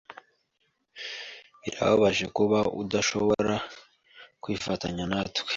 Birababaje kuba udashobora kwifatanya natwe.